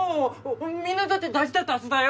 みんなだって大事だったはずだよ